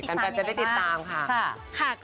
แปลงแป้งจะได้ติดตามค่ะ